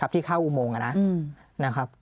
ที่เข้าอุโมงนะครับ